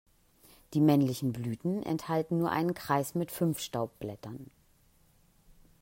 Die männlichen Blüten enthalten nur einen Kreis mit fünf Staubblättern.